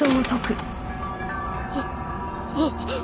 あああっ。